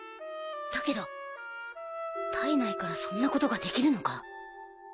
だけど体内からそんなことができるのか？